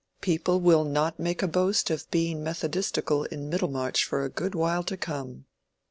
"People will not make a boast of being methodistical in Middlemarch for a good while to come."